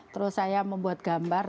terus saya membuat gambar